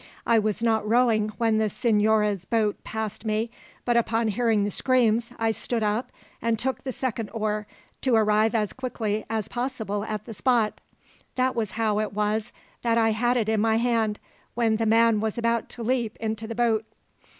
I was not rowing when the signora's boat passed me, but upon hearing the screams, I stood up and took the second oar, to arrive as quickly as possible at the spot. That was how it was that I had it in my hand, when the man was about to leap into the boat."